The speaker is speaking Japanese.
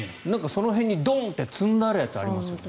その辺にドーンって積んであるやつありますね。